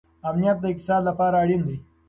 امنیت د اقتصاد لپاره اړین دی.